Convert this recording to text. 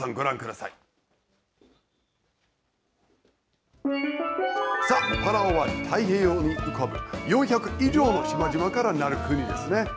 さあ、パラオは太平洋に浮かぶ４００以上の島々からなる国ですね。